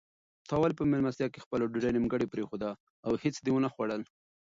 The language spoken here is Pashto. تا ولې په مېلمستیا کې خپله ډوډۍ نیمګړې پرېښوده او هیڅ دې ونه خوړل؟